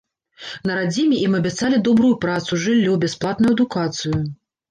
На радзіме ім абяцалі добрую працу, жыллё, бясплатную адукацыю.